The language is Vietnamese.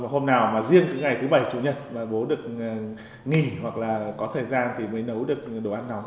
hôm nào mà riêng cái ngày thứ bảy chủ nhật mà bố được nghỉ hoặc là có thời gian thì mới nấu được đồ ăn nóng